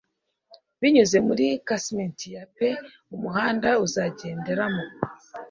binyuze muri casement ye pe umuhanda azagenderamo.